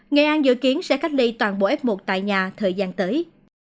ngày ăn dự kiến sẽ cách ly toàn bộ ép một tại nhà thời gian tới